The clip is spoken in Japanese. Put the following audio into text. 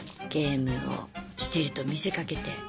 ゲームをしてると見せかけて。